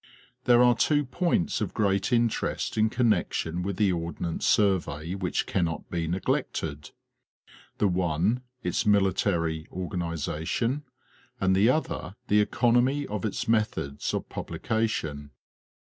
There are two points of great interest In connection with the Ordnance Survey which cannot be neglected. The one its mili tary organization, and the other the economy of its methods of publication.